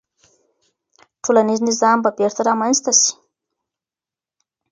ټولنیز نظم به بیرته رامنځته سي.